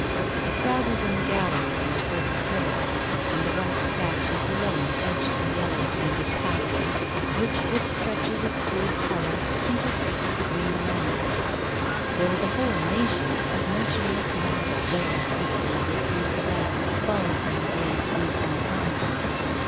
The crowd was in the galleries on the first floor, and the white statues alone edged the yellow sanded pathways which with stretches of crude colour intersected the green lawns. There was a whole nation of motionless marble there steeped in the diffuse light falling from the glazed roof on high.